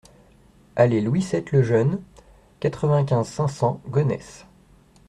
Allée Louis sept Le Jeune, quatre-vingt-quinze, cinq cents Gonesse